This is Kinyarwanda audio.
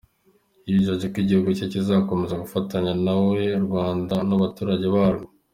Yijeje ko igihugu cye kizakomeza gufatanya n’u Rwanda n’abaturage barwo.